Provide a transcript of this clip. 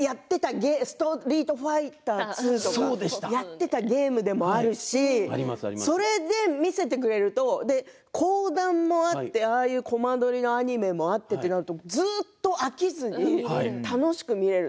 「ストリートファイターＩＩ」とかやってたゲームもあるしそれで見せてくれると講談もあって、コマ撮りのアニメもあってとなるとずっと飽きずに楽しく見れる。